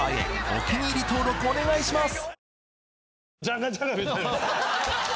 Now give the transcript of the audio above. お気に入り登録お願いします！